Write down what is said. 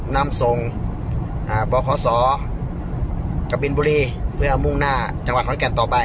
นำส่งอ่าบอกขอสอกระปินบุรีเพื่อเอามุ่งหน้าจังหวัดคล้อนแกนต่อไป